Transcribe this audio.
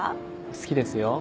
好きですよ。